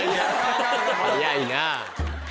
早いな。